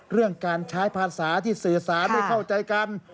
เรื่องการใช้ภาษาที่สื่อสารได้เข้าใจกัน